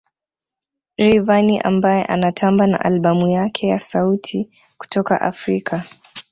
Rayvanny ambaye anatamba na albamu yake ya sauti kutoka Afrika